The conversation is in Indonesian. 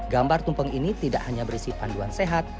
gambar tumpeng ini tidak hanya berisi panduan sehat